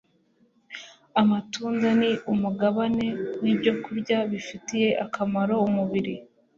Amatunda ni Umugabane w’Ibyokurya Bifitiye Akamaro Umubiri